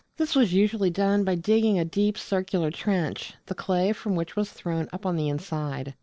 This was usually done by digging a deep circular trench, the clay from which was thrown up on the inside.